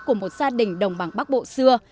của một gia đình đồng bằng bắc bộ xưa